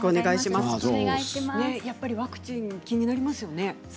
やっぱりワクチン気になりますよね。